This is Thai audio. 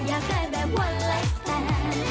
อยากได้แบบว่าหลายแสน